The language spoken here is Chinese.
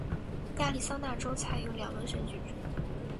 亚利桑那州采用两轮选举制。